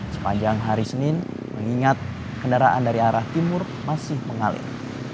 sepanjang hari senin mengingat kendaraan dari arah timur masih mengalir